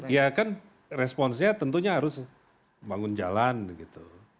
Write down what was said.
ya kan responsnya tentunya harus bangun jalan gitu